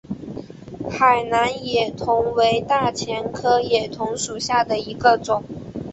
海南野桐为大戟科野桐属下的一个种。